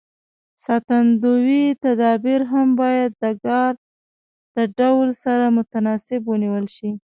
ساتندوی تدابیر هم باید د کار د ډول سره متناسب ونیول شي.